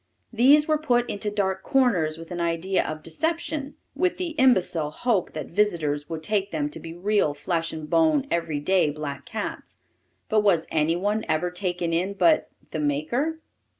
These were put into dark corners with an idea of deception, with the imbecile hope that visitors would take them to be real flesh and bone everyday black cats. But was any one ever taken in but the maker?